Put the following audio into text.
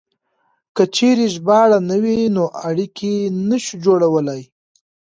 که چېرې ژباړه نه وي نو اړيکې نه شو جوړولای.